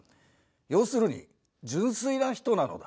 要するに純粋な人なのだ。